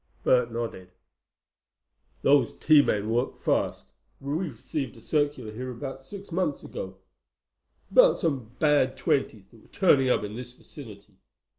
Bert nodded. "Those T men work fast. We received a circular here about six months ago, about some bad twenties that were turning up in this vicinity.